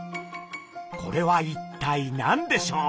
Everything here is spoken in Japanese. これは一体何でしょう？